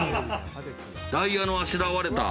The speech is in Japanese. ダイヤのあしらわれた。